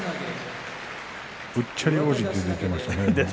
うっちゃり王子と出ていましたね。